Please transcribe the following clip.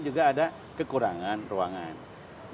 juga ada kekurangan ruangan